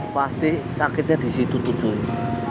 pasti sakitnya di situ bang ojak